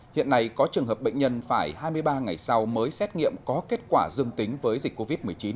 hiện nay có trường hợp bệnh nhân phải hai mươi ba ngày sau mới xét nghiệm có kết quả dương tính với dịch covid một mươi chín